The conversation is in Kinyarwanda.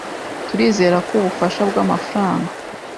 Turizera ko ubufasha bwamafaranga.